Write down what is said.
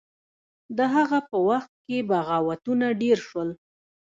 د هغه په وخت کې بغاوتونه ډیر شول.